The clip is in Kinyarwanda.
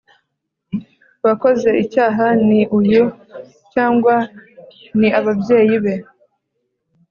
Wakoze icyaha ni uyu cyangwa ni ababyeyi be